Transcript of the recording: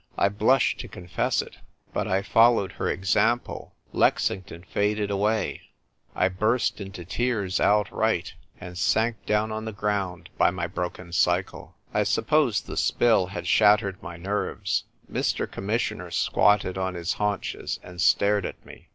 I blush to confess it ; but I followed her exampl •. Lexington faded away. I burst into tear, outright, and sank down on the 90 THE TVPE WRITKU GIUL. ground by my broken cycle. I suppose the spill had shattered my nerves. Mr. Commis sioner squatted on his haunches and stared at mc.